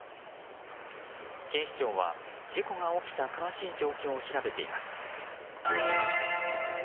警視庁は事故が起きた詳しい状況を調べています。